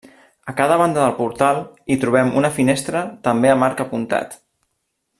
A cada banda del portal hi trobem una finestra també amb arc apuntat.